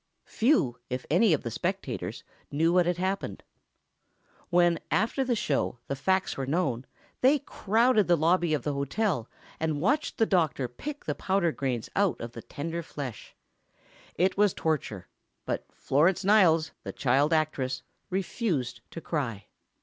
Few, if any, of the spectators knew what had happened. When, after the show, the facts were known, they crowded the lobby of the hotel and watched the doctor pick the powder grains out of the tender flesh. It was torture, but Florence Niles, the child actress, refused to cry.